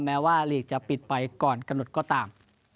แม้ว่าลีกจะปิดไปก่อนกำหนดก็ตาม